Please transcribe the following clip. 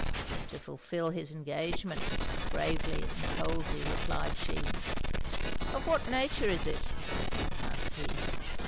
'To fulfil his engagement,' gravely and coldly replied she. 'Of what nature is it?' asked he.